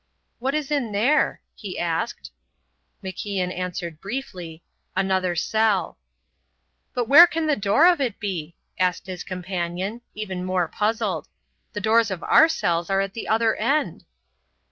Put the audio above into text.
"What is in there?" he asked. MacIan answered briefly: "Another cell." "But where can the door of it be?" said his companion, even more puzzled; "the doors of our cells are at the other end."